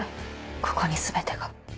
ここに全てが。